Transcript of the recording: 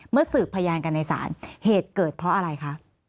สืบพยานกันในศาลเหตุเกิดเพราะอะไรคะ